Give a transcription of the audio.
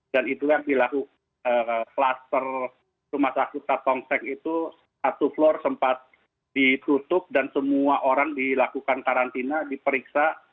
dan itu yang dilakukan klaster rumah sakit tontosek itu satu floor sempat ditutup dan semua orang dilakukan karantina diperiksa